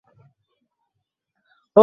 আমাকে তোমার দাসীর মতো শাসন করো।